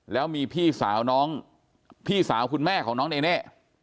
แล้วมีพี่สาวคุณแม่ของน้องเนเน่